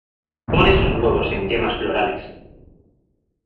Pone sus huevos en yemas florales.